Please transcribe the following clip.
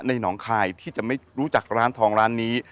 หนองคายที่จะไม่รู้จักร้านทองร้านนี้